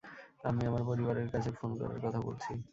আমি আমার পরিবারের কাছে ফোন করার কথা বলছি।